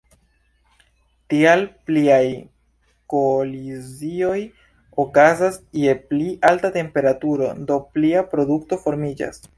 Tial pliaj kolizioj okazas je pli alta temperaturo, do plia produkto formiĝas.